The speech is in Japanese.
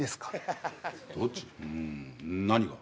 うん何が？